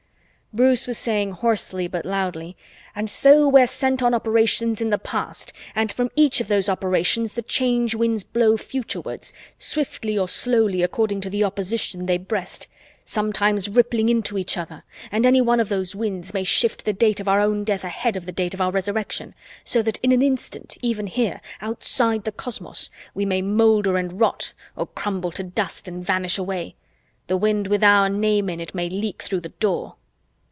Bruce was saying hoarsely but loudly, "And so we're sent on operations in the past and from each of those operations the Change Winds blow futurewards, swiftly or slowly according to the opposition they breast, sometimes rippling into each other, and any one of those Winds may shift the date of our own death ahead of the date of our Resurrection, so that in an instant even here, outside the cosmos we may molder and rot or crumble to dust and vanish away. The wind with our name in it may leak through the Door."